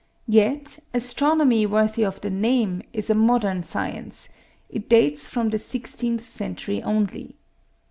Yet astronomy worthy of the name is a modern science: it dates from the sixteenth century only.